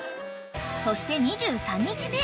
［そして２３日目］